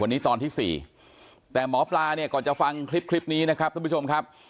วันนี้ตอนที่๔แต่หมอปลาเนี่ยก่อนจะฟังคลิปนี้นะครับท่านผู้ชมครับ